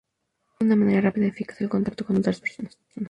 Permite de una manera rápida y eficaz el contacto con otras personas.